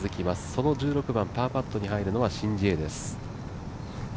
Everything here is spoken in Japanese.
その１６番、パーパットに入るのがシン・ジエです。